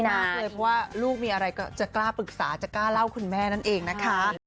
มากเลยเพราะว่าลูกมีอะไรก็จะกล้าปรึกษาจะกล้าเล่าคุณแม่นั่นเองนะคะ